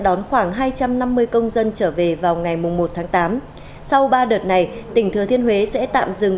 đón khoảng hai trăm năm mươi công dân trở về vào ngày một tháng tám sau ba đợt này tp hcm sẽ tạm dừng